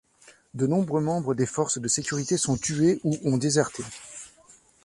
De nombreux membres des forces de sécurité sont tués ou ont déserté.